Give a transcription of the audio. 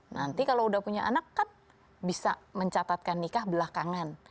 nanti kalau udah punya anak kan bisa mencatatkan nikah belakangan